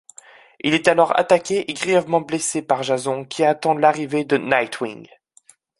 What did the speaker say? Il est alors attaqué et grièvement blessé par Jason qui attend l'arrivée de Nightwing.